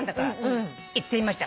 行ってみました。